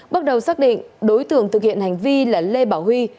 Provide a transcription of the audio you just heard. bước đầu xác định đối tượng thực hiện hành vi là lê bảo huy